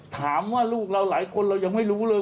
ถามว่าลูกเราหลายคนเรายังไม่รู้เลย